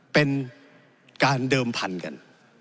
เป็นการเดิมพันธุ์กัน